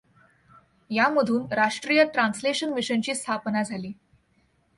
यामधून राष्ट्रीय ट्रान्सलेशन मिशनची स्थापना झाली.